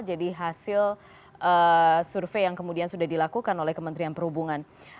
hasil survei yang kemudian sudah dilakukan oleh kementerian perhubungan